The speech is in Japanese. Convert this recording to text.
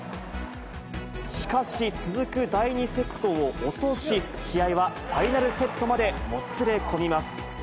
しかし、続く第２セットを落とし、試合はファイナルセットまでもつれ込みます。